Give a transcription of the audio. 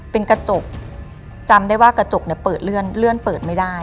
เป็นกระจกจำได้ว่ากระจกเนี่ยเปิดเลื่อนเปิดไม่ได้